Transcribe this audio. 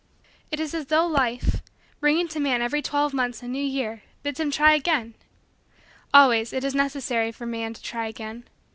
It is as though Life, bringing to man every twelve months a new year, bids him try again. Always, it is necessary for man to try again.